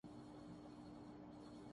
Kareena Veere Di wedding سے باہر